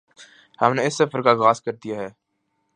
ہم نے اس سفر کا آغاز کردیا ہے